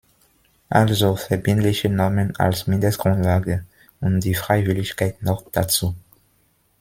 Also verbindliche Normen als Mindestgrundlage und die Freiwilligkeit noch dazu.